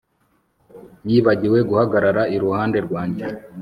Yibagiwe guhagarara iruhande rwanjye